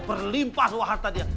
berlimpah semua harta dia